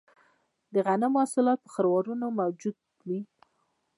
د غنمو حاصلات په خروارونو موجود وي